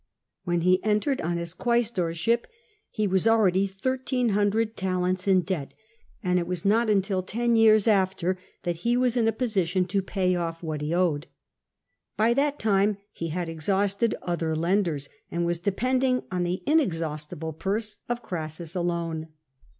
When he entered on his quaes torship he was already 1300 talents in debt, and it was not till more than ten years after that he was in a position to begin to pay off what he owed. By that time ho had exhausted other lenders, and was depending on the inexhaustible purse of Crassus alone.